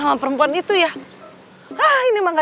kamu kenapa sayang